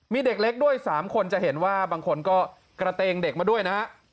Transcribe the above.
มีเด็กเล็กด้วย๓คนจะเห็นว่าบางคนก็กระเตงเด็กมาด้วยนะฮะ